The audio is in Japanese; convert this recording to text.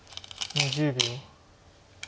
２０秒。